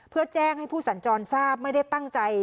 เพื่อแจ้งให้ผู้สัญจรทราบไม่ได้ตั้งใจ